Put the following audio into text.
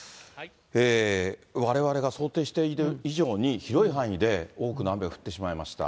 われわれが想定している以上に、広い範囲で多くの雨が降ってしまいました。